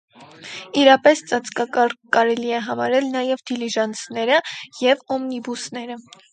Իրապես ծածկակառք կարելի է համարել նաև դիլիժանսները և օմնիբուսները։